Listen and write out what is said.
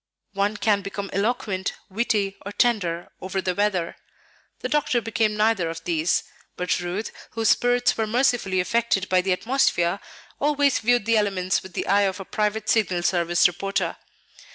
One can become eloquent, witty, or tender over the weather. The doctor became neither of these; but Ruth, whose spirits were mercurially affected by the atmosphere, always viewed the elements with the eye of a private signal service reporter.